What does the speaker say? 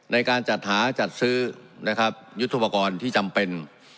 ในการจัดหาจัดซื้อนะครับยุทธปกรณ์ที่จำเป็น